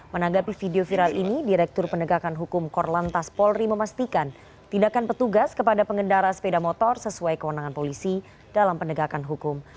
menanggapi video viral ini direktur penegakan hukum korlantas polri memastikan tindakan petugas kepada pengendara sepeda motor sesuai kewenangan polisi dalam penegakan hukum